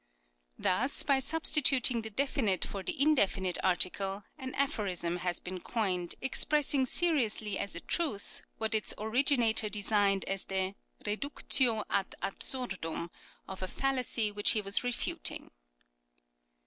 Thus by substituting the definite for the indefinite article an aphorism has been coined expressing seriously as a truth what its originator designed as the reductio ad absurdum of a fallacy which he was refuting.